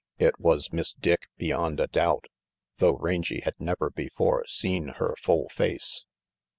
It was Miss Dick, beyond a doubt, though Rangy had never before seen her full face.